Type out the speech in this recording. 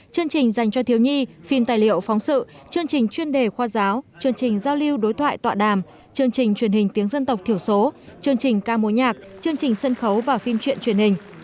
chương trình dành cho thiếu nhi phim tài liệu phóng sự chương trình chuyên đề khoa giáo chương trình giao lưu đối thoại tọa đàm chương trình truyền hình tiếng dân tộc thiểu số chương trình ca mối nhạc chương trình sân khấu và phim truyện truyền hình